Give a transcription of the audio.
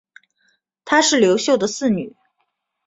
她是刘秀的四女。